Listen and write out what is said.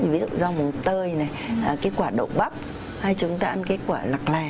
ví dụ như rau mùng tơi quả đậu bắp hay chúng ta ăn quả lạc lè